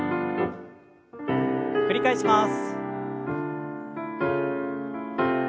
繰り返します。